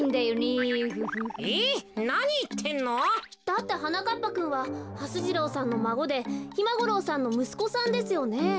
だってはなかっぱくんははす次郎さんのまごでひまごろうさんのむすこさんですよね？